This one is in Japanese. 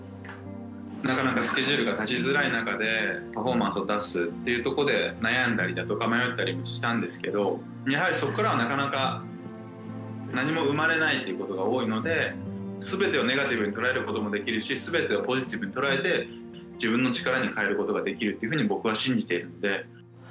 なかなかスケジュールが立ちづらい中で、パフォーマンスを出すっていうとこで、悩んだりだとか、迷ったりもしたんですけど、やはりそこからはなかなか、何も生まれないということが多いので、すべてをネガティブに捉えることもできるし、すべてをポジティブに捉えて、自分の力に変えることができるというふうに、僕は信じているので。